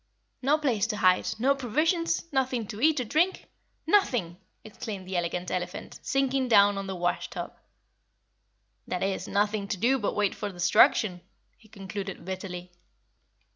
"No place to hide, no provisions, nothing to eat or drink. NOTHING!" exclaimed the Elegant Elephant, sinking down on the wash tub. "That is, nothing to do but wait for destruction," he concluded bitterly.